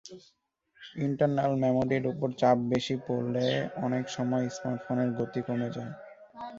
Internal মেমোরির ওপর চাপ বেশি পড়লে অনেক সময় স্মার্টফোনের গতি কমে যায়।